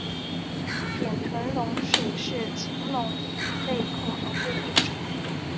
扁臀龙属是禽龙类恐龙的一属。